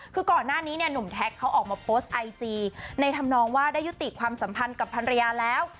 คือก่อนหน้านี้เนี่ยหนุ่มแท็กเขาออกมาโพสต์ไอจีในธรรมนองว่าได้ยุติความสัมพันธ์กับภรรยาแล้ว